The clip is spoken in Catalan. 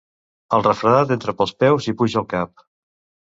El refredat entra pels peus i puja al cap.